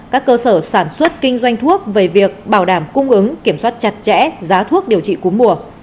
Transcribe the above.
các cơ sở sản xuất kinh doanh thuốc về việc bảo đảm cung ứng kiểm soát chặt chẽ giá thuốc điều trị cúm mùa